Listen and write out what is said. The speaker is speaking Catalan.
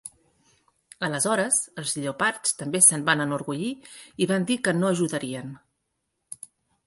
Aleshores, els lleopards també se'n van enorgullir i van dir que no ajudarien.